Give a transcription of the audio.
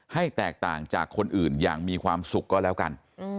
ให้แตกต่างจากคนอื่นอย่างมีความสุขก็แล้วกัน